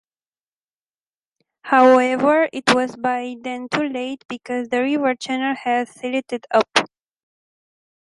However it was by then too late because the river channel had silted up.